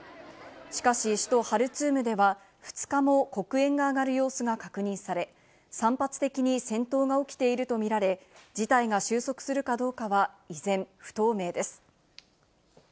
しかし首都ハルツームでは２日も黒煙が上がる様子が確認され、散発的に戦闘が起きているとみられ、事態が収束するかどうかは依然、不透明です。